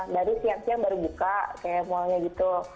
baru siang siang baru buka kayak mallnya gitu